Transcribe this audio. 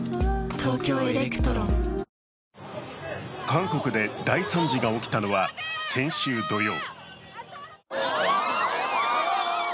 韓国で大惨事が起きたのは、先週土曜。